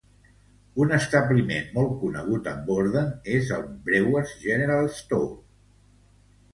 Un establiment molt conegut a Borden és el Brewer's General Store.